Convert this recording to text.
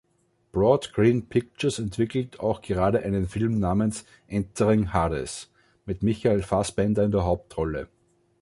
Broad Green Pictures entwickelt auch gerade einen Film namens „Entering Hades“ mit Michael Fassbender in der Hauptrolle.